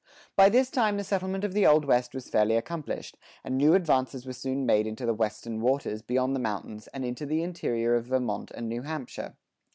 By this time the settlement of the Old West was fairly accomplished, and new advances were soon made into the "Western Waters" beyond the mountains and into the interior of Vermont and New Hampshire.